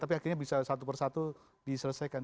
tapi akhirnya bisa satu persatu diselesaikan